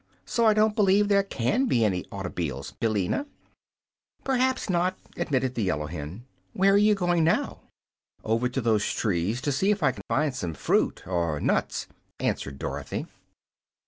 So I don't b'lieve there CAN be any auto'biles, Billina." "Perhaps not," admitted the yellow hen. "Where are you going now?" "Over to those trees, to see if I can find some fruit or nuts," answered Dorothy.